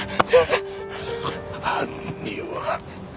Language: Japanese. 犯人は。